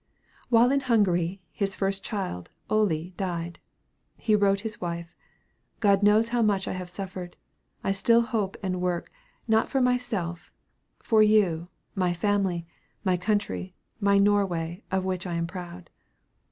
While in Hungary, his first child, Ole, died. He wrote his wife, "God knows how much I have suffered! I still hope and work, not for myself, for you, my family, my country, my Norway, of which I am proud."